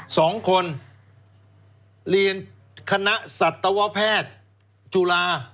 สองคนเรียนคณะสัตวแพทย์จุฬา